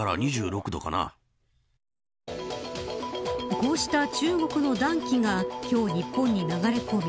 こうした中国の暖気が今日、日本に流れ込み